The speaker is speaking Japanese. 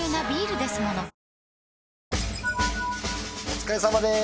お疲れさまです